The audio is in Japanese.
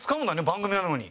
番組なのに。